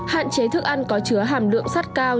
hạn chế thức ăn có chứa hàm lượng sắt cao